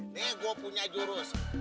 nih gue punya jurus